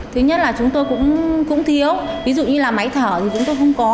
thứ nhất là chúng tôi cũng thiếu ví dụ như là máy thở thì chúng tôi không có